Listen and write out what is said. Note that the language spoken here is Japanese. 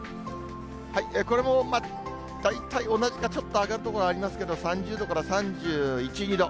これも大体同じか、ちょっと上がる所がありますけど、３０度から３１、２度。